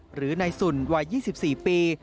หรือในสุนวัย๒๔ปี